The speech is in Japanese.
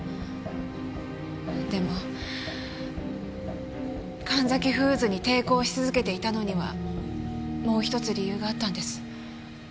でも神崎フーズに抵抗し続けていたのにはもう一つ理由があったんです。